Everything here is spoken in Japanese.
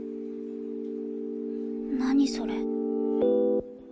何それ。